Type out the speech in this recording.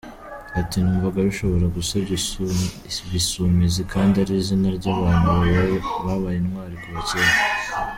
Ati “Numvaga bishobora gusebya Ibisumizi kandi ari izina ry’abantu babaye intwari kuva kera.